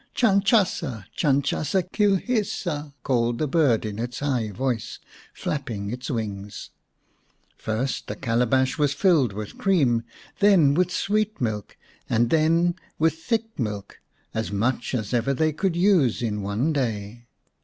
" Chanchasa ! Chanchasa ! Kilhisa !" called the bird in its high voice, flapping its wings. First the calabash was filled with cream, then with sweet milk, and then with thick milk, as 118 x The Fairy Bird much as ever they could use in one day.